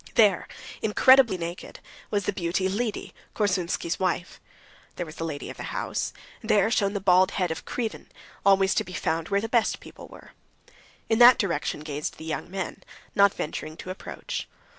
There—incredibly naked—was the beauty Lidi, Korsunsky's wife; there was the lady of the house; there shone the bald head of Krivin, always to be found where the best people were. In that direction gazed the young men, not venturing to approach.